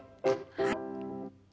はい。